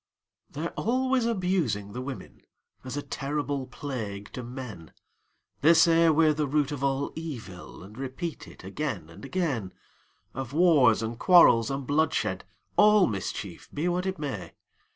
They're always abusing the women, As a terrible plague to men; They say we're the root of all evil, And repeat it again and again Of war, and quarrels, and bloodshed, All mischief, be what it may.